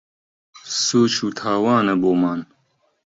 سووچ و تاوانە بۆمان